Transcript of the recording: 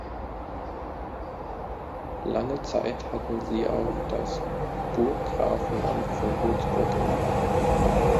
Lange Zeit hatten sie auch das Burggrafenamt von Würzburg inne.